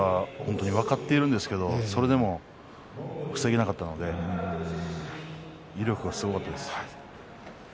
あの時は分かっているんですけれどもそれでも防げなかったので威力がすごかったです。